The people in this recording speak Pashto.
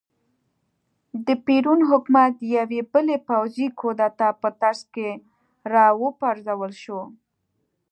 د پېرون حکومت د یوې بلې پوځي کودتا په ترڅ کې را وپرځول شو.